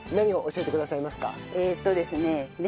えっとですね